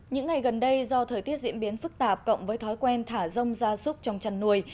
những ngày gần đây do thời tiết diễn biến phức tạp cộng với thói quen thả rông gia súc trong chăn nuôi